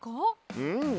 うん。